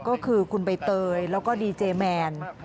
ก็คือคุณใบเตยแล้วก็ดีเจแมน